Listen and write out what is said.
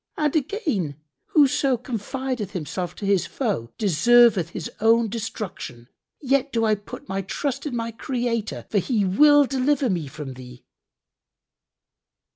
And again, 'Whoso confideth himself to his foe deserveth his own destruction.' Yet do I put my trust in my Creator, for He will deliver me from thee."